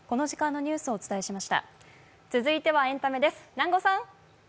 続いてはエンタメです。